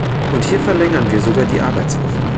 Und hier verlängern wir sogar die Arbeitswochen.